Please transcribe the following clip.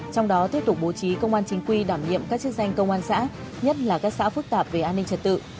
trong đó tiếp tục bố trí công an chính quy đảm nhiệm các chức danh công an xã nhất là các xã phức tạp về an ninh trật tự